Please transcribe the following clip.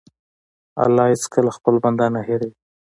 الله هېڅکله خپل بنده نه هېروي.